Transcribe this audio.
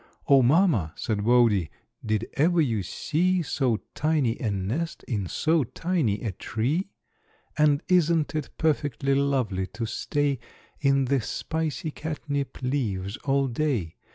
"O, Mamma," said Wodie, "did ever you see So tiny a nest in so tiny a tree? And isn't it perfectly lovely to stay In the spicy catnip leaves all day?